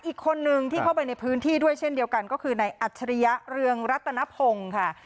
อีกคนนึงที่เข้าไปในพื้นที่ด้วยเช่นเดียวกันก็คือในอัจฉริยะเรืองรัตนพงศ์ค่ะ